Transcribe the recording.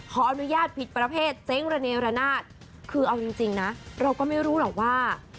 ขออนุญาตผิดประเภทเจ๊งระเนรนาศคือเอาจริงนะเราก็ไม่รู้หรอกว่า